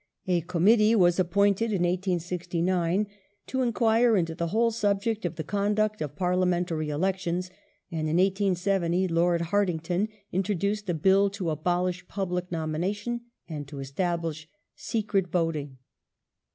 A Committee was appointed in 1869 to enquire into the whole subject of the conduct of parlia mentary elections, and in 1870 Lord Hartington introduced a Bill to abolish public nomination and to establish secret voting.